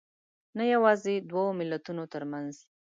نه یوازې دوو ملتونو تر منځ